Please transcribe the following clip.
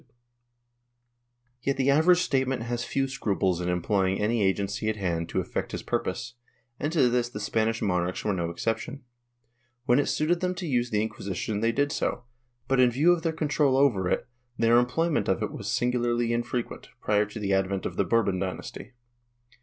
Chap X] IRBEQ ULAB FUNCTIONS 251 Yet the average statesman has few scruples in employing any agency at hand to effect his purposes, and to this the Spanish monarchs were no exception. V.'hen it suited them to use the Inquisition they did so but, in view of their control over it, their employment of it was singularly infrequent, prior to the advent of the Bourbon dynasty.